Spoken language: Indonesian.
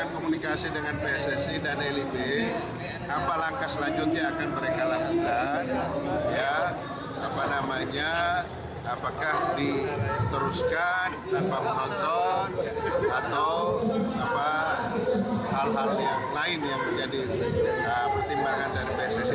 jadi itu tidak perlu kita ulangi untuk investigasi